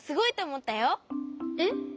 えっ？